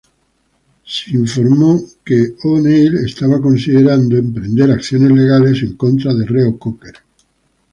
O'Neil fue reportado como considerando emprender acciones legales en contra de Reo-Coker.